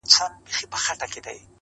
او که د لنډغرو دفاع تعصب